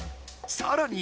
さらに。